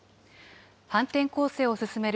反転攻勢を進める